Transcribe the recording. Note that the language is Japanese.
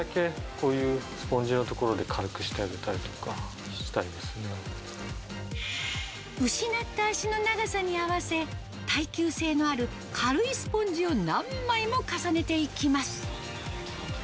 こういうスポンジのところで軽くしてあげたりとか失った脚の長さに合わせ、耐久性のある軽いスポンジを何枚も重ねていきます。